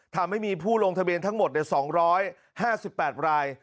ทำให้มีผู้ลงทะเบียนทั้งหมด๒๕๘ราย